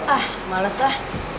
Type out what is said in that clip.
ah males lah